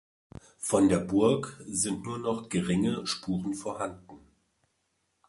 Von der Burg sind nur noch geringe Spuren vorhanden.